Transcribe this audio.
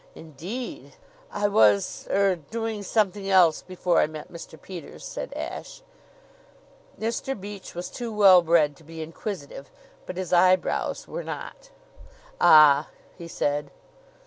"Indeed!" "I was er doing something else before I met Mr. Peters," said Ashe. Mr. Beach was too well bred to be inquisitive, but his eyebrows were not. "Ah!" he said.